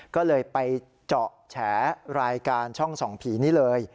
ก็เลยไปเจาะแฉรายการช่องส่องผีนี้เลย